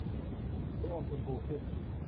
ดูอมชมพูขึ้น